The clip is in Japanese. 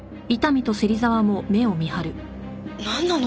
なんなの？